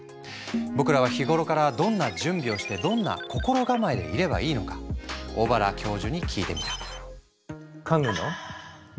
僕らは日頃からどんな準備をしてどんな心構えでいればいいのか小原教授に聞いてみた。